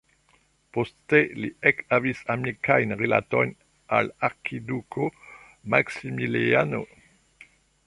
Poste li ekhavis amikajn rilatojn al arkiduko Maksimiliano.